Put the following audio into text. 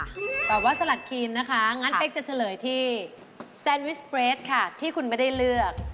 ตอบสลัดครีมนะคะงั้นเป๊กจะเฉลยที่แซนวิสเปรสค่ะที่คุณไม่ได้เลือก